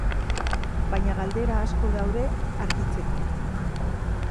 Baina galdera asko daude argittzeko.